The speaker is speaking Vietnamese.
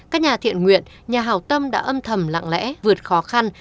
các nhà thiện nguyện nhà hào tâm đã âm thầm lặng lẽ vượt khó khăn